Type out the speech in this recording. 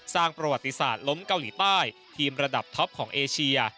สร้างประวัติศาสตร์ล้มเกาหลีใต้ทีมระดับท็อปของเอเชีย